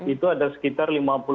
itu ada sekitar lima puluh